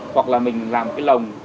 hoặc là mình làm cái lồng